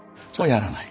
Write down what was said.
やらない。